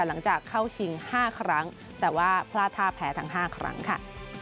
หลังจากเข้าชิง๕ครั้งแต่ว่าพลาดท่าแพ้ทั้ง๕ครั้งค่ะ